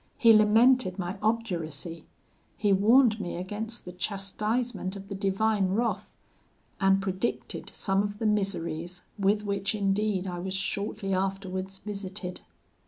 He lamented my obduracy. He warned me against the chastisement of the Divine wrath, and predicted some of the miseries with which indeed I was shortly afterwards visited.